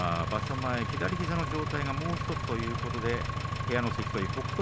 前、左膝の状態がもうひとつということで部屋の関取北勝